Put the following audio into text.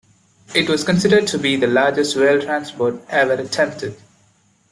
It was considered to be the largest whale transport ever attempted.